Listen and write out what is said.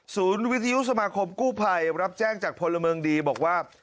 วิทยุสมาคมกู้ภัยรับแจ้งจากพลเมืองดีบอกว่า